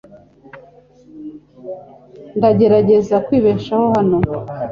Ndagerageza kwibeshaho hano .